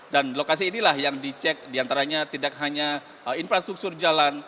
dan lokasi inilah yang dicek diantaranya tidak hanya infrastruktur jalan